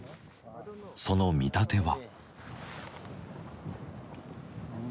その見立ては？